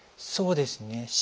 そうですね。